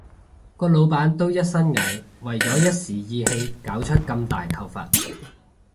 個老闆都一身蟻，為咗一時意氣搞出咁大頭佛